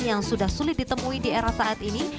yang sudah sulit ditemui di era saat ini